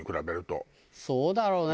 そうだろうね。